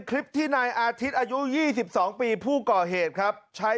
แล้วก็พูดว่า